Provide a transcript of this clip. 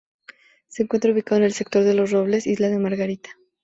Se encuentra ubicado en el sector de Los Robles, isla de Margarita.